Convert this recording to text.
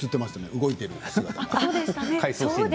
動いている姿。